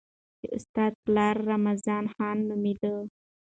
د استاد پلار رمضان خان نومېده.